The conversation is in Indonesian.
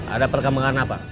ada perkabungan apa